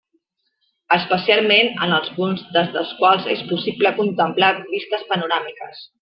Especialment en els punts des dels quals és possible contemplar vistes panoràmiques.